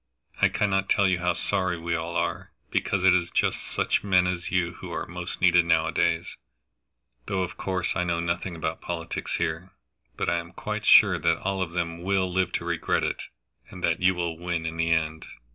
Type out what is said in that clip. I cannot tell you how sorry we all are, because it is just such men as you who are most needed nowadays, though of course I know nothing about politics here. But I am quite sure that all of them will live to regret it, and that you will win in the end.